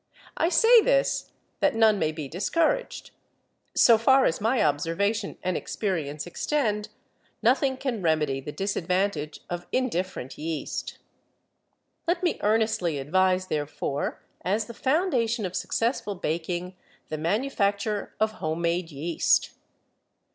I say this that none may be discouraged. So far as my observation and experience extend, nothing can remedy the disadvantage of indifferent yeast. Let me earnestly advise, therefore, as the foundation of successful baking, the manufacture of HOME MADE YEAST.